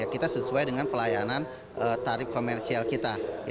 kita sesuai dengan pelayanan tarif komersial kita